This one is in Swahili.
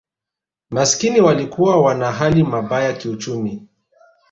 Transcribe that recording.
Maskini walikuwa wana hali mabaya kiuchumi